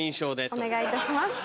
お願いいたします。